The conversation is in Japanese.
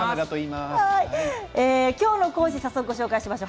今日の講師、早速ご紹介しましょう。